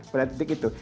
pada titik itu